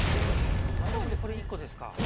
なるほどこれ１個ですか。